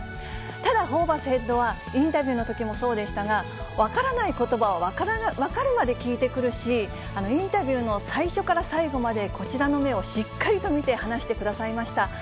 ただ、ホーバスヘッドは、インタビューのときもそうでしたが、分からないことは分かるまで聞いてくるし、インタビューの最初から最後まで、こちらの目をしっかりと見て話してくださいました。